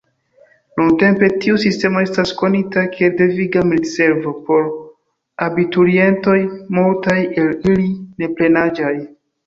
Nuntempe tiu sistemo estas konita kiel deviga militservo por abiturientoj, multaj el ili neplenaĝaj.